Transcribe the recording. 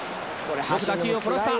よく打球を殺した。